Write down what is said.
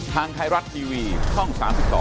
ทางไทยรัฐทีวีช่อง๓๒